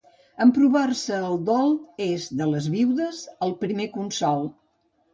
Emprovar-se el dol és, de les viudes, el primer consol.